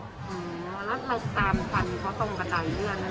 อ๋อแล้วตามฝันเขาตรงกระดายเลื่อน